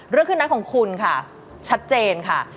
เครื่องนั้นของคุณค่ะชัดเจนค่ะ